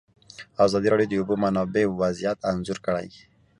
ازادي راډیو د د اوبو منابع وضعیت انځور کړی.